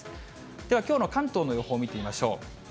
ではきょうの関東の予報を見てみましょう。